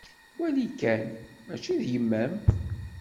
Wali kan! Mačči d yemma-m?